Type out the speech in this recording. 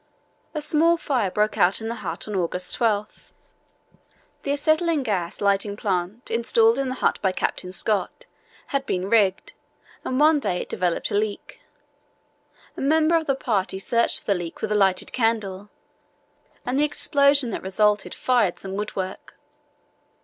A small fire broke out in the hut on August 12. The acetylene gas lighting plant installed in the hut by Captain Scott had been rigged, and one day it developed a leak. A member of the party searched for the leak with a lighted candle, and the explosion that resulted fired some woodwork.